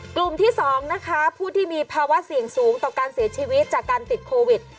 กลุ่มที่๒นะคะผู้ที่มีภาวะเสี่ยงสูงต่อการเสียชีวิตจากการติดโควิด